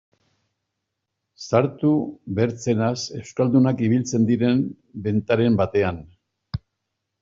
Sartu bertzenaz euskaldunak ibiltzen diren bentaren batean...